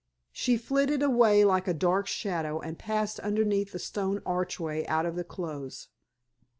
She flitted away like a dark shadow and passed underneath the stone archway out of the close.